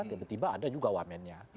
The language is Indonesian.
tiba tiba ada juga wamennya